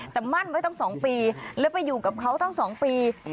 แต่มั่นไว้ตั้ง๒ปีแล้วไปอยู่กับเขาตั้ง๒ปี